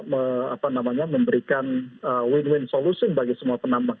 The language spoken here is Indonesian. memang pemerintah harus memberikan win win solusi bagi semua penambang